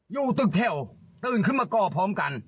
ยูตึกเท่าตื่นขึ้นมาก้อพร้อมกัน